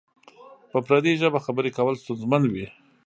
په پردۍ ژبه خبری کول ستونزمن وی؟